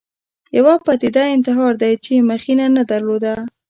یوه پدیده انتحار دی چې مخینه نه درلوده